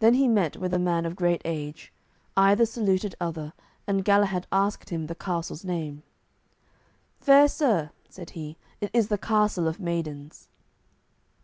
Then he met with a man of great age. Either saluted other, and Galahad asked him the castle's name. "Fair sir," said he, "it is the Castle of Maidens."